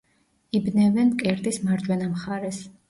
იბნევენ მკერდის მარჯვენა მხარეს.